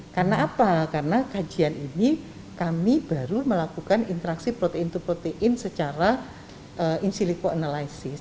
karena apa karena kajian ini kami baru melakukan interaksi protein protein secara insilikoanalisis